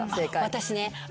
私ね。